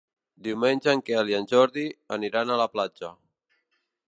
Diumenge en Quel i en Jordi aniran a la platja.